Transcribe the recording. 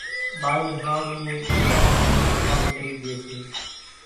ٻائِي ۿانز نِي ٻڌانئين نين پٿارِي ڪرِي ڄيَ سي۔